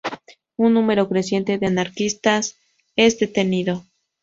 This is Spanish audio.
Un número creciente de anarquistas es detenido.